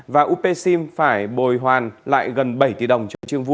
và upsim phải bồi hoàn lại gần bảy tỷ đồng cho trương vui